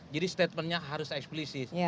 jadi statementnya harus eksplisit